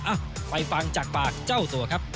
อ่ะไปฟังจากปากเจ้าตัวครับ